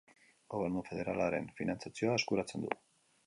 Gobernu federalaren finantzazioa eskuratzen du.